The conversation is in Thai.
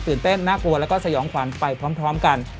เต้นน่ากลัวแล้วก็สยองขวัญไปพร้อมกัน